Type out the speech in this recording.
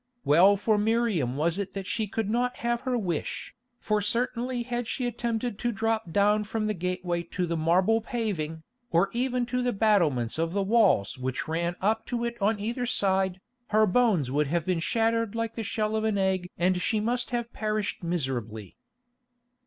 Well for Miriam was it that she could not have her wish, for certainly had she attempted to drop down from the gateway to the marble paving, or even on to the battlements of the walls which ran up to it on either side, her bones would have been shattered like the shell of an egg and she must have perished miserably.